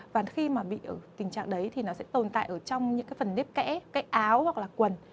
và khi mà bị tình trạng đấy thì nó sẽ tồn tại ở trong những cái phần nếp kẽ cái áo hoặc là quần